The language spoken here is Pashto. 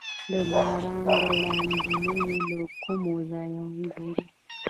د باران وړاندوینه له کوم ځای وګورم؟